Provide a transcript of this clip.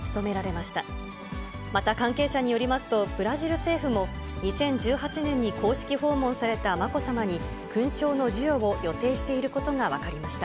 また、関係者によりますと、ブラジル政府も、２０１８年に公式訪問されたまこさまに、勲章の授与を予定していることが分かりました。